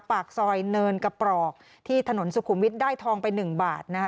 ปากซอยเนินกระปรอกที่ถนนสุขุมวิทย์ได้ทองไป๑บาทนะฮะ